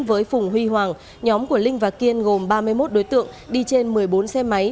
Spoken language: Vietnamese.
với phùng huy hoàng nhóm của linh và kiên gồm ba mươi một đối tượng đi trên một mươi bốn xe máy